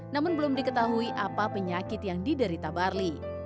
namun belum diketahui apa penyakit yang diderita barli